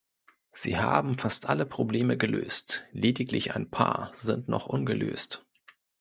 Sie haben fast alle Probleme gelöst, lediglich ein paar sind noch ungelöst.